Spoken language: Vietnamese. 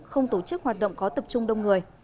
không tổ chức hoạt động có tập trung đông người